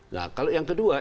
nah kalau yang kedua